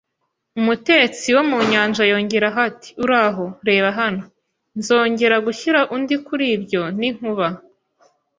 Umutetsi wo mu nyanja yongeyeho ati: “Uraho, reba hano.” “Nzongera gushyira undi kuri ibyo, n'inkuba!